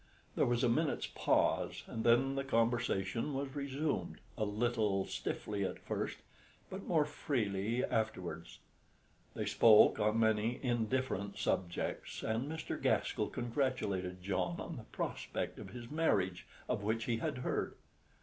There was a minute's pause, and then the conversation was resumed, a little stiffly at first, but more freely afterwards. They spoke on many indifferent subjects, and Mr. Gaskell congratulated John on the prospect of his marriage, of which he had heard.